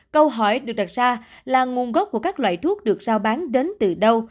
câu hỏi được đặt ra là nguồn gốc của các loại thuốc được giao bán đến từ đâu